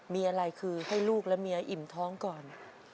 มีอะไรคือให้ลูกและเมียอิ่มท้องก่อน